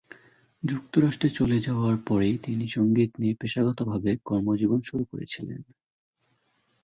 যুক্তরাষ্ট্রে চলে যাওয়ার পরেই তিনি সঙ্গীত নিয়ে পেশাগতভাবে কর্মজীবন শুরু করেছিলেন।